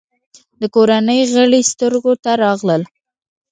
د کورنۍ غړي سترګو ته راغلل.